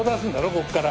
ここから。